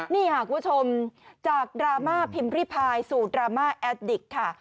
นี่ค่ะคุณผู้ชมจากดราม่าพิมพ์ริพายสูตรดราม่าแอดดิกค่ะ